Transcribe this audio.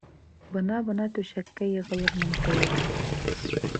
Бына-бына түшәккә йығылырмын кеүек.